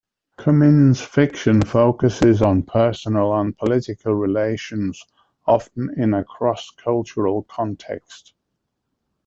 Cumyn's fiction focuses on personal and political relations, often in a cross-cultural context.